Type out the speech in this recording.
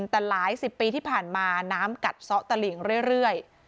แต่หลายสิบปีที่ผ่านมาน้ำกัดซ่อตะหลิงเรื่อย